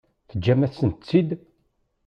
Teǧǧamt-asent-tt-id?